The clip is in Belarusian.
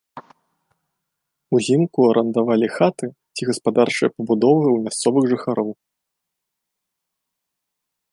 Узімку арандавалі хаты ці гаспадарчыя пабудовы ў мясцовых жыхароў.